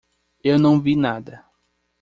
Eu não vi nada.